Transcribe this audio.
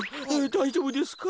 だいじょうぶですか？